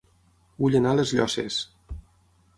Vull anar a Les Llosses